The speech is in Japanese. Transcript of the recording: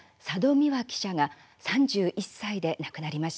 未和記者が３１歳で亡くなりました。